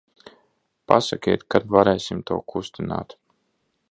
Pasakiet, kad varēsim to kustināt.